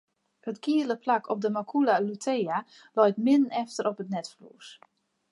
It giele plak of de macula lutea leit midden efter op it netflues.